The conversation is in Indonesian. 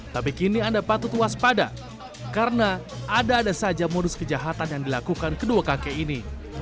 tapi kini anda patut waspada karena ada ada saja modus kejahatan yang dilakukan kedua kakek ini